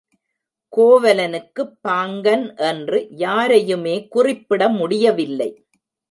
கோவலனுக்குப் பாங்கன் என்று யாரையுமே குறிப்பிட முடியவில்லை.